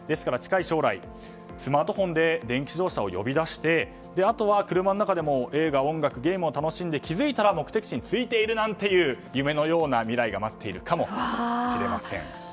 近い将来スマートフォンで電気自動車を呼び出して車の中でも映画、音楽、ゲームを楽しんで気が付いたら目的地に着いているなんて夢のような未来が待っているかもしれません。